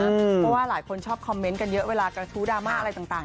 เพราะว่าหลายคนชอบคอมเมนต์กันเยอะเวลากระทู้ดราม่าอะไรต่าง